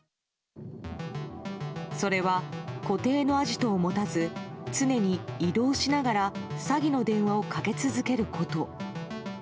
それは、固定のアジトを持たず常に移動しながら詐欺の電話をかけ続けること。